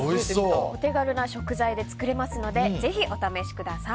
お手軽な食材で作れますのでぜひ、お試しください。